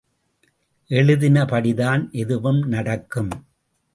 எழுதினபடிதான் எதுவும் நடக்கும்!